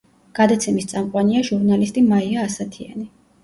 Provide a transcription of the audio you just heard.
გადაცემის წამყვანია ჟურნალისტი მაია ასათიანი.